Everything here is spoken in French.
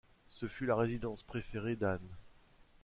Ce fut la résidence préférée d'Anne.